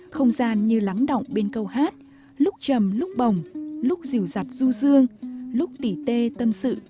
không gian như lắng động bên câu hát lúc trầm lúc bồng lúc dịu giặt du dương lúc tỉ tê tâm sự